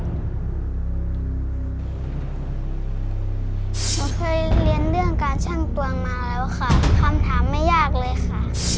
หนูเคยเรียนเรื่องการชั่งตวงมาแล้วค่ะคำถามไม่ยากเลยค่ะ